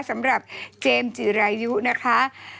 สำหรับเจมส์จิรายุนะคะ